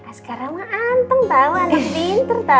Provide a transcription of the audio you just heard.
askara mah anteng tau anak pinter tau